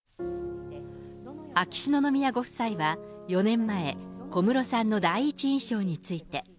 秋篠宮ご夫妻は、４年前、小室さんの第一印象について。